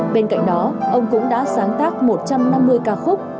bên cạnh đó ông cũng đã sáng tác một trăm năm mươi ca khúc